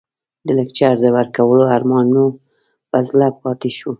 د لکچر د ورکولو ارمان مو په زړه پاتې شو.